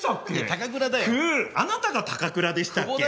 あなたが高倉でしたっけ？